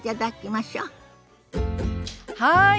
はい。